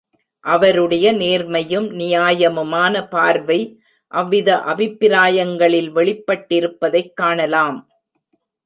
அவருடைய நேர்மையும் நியாயமுமானப் பார்வை அவ்வித அபிப்பிராயங்களில் வெளிப்பட்டிருப்பதைக் காணலாம்.